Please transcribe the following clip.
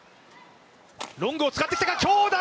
ロングを使ってきたが強打！